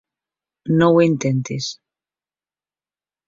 No ho intentis.